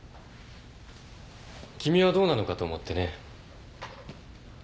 君はどうなのかと思ってね。